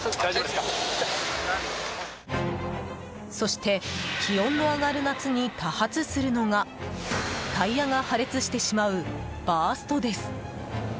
そして、気温の上がる夏に多発するのがタイヤが破裂してしまうバーストです。